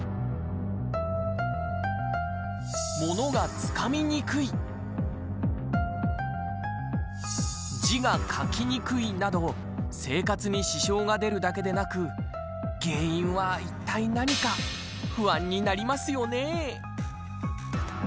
物がつかみにくい字が書きにくい、など生活に支障が出るだけでなく原因はいったい何か不安になりますよね。